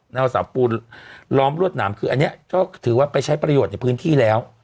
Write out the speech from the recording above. แววเสาปูนล้อมรวดหนามคืออันนี้ก็ถือว่าไปใช้ประโยชน์ในพื้นที่แล้ว